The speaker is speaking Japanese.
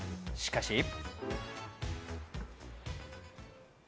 しかし。